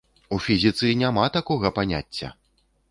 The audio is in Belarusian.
У фізіцы няма такога паняцця!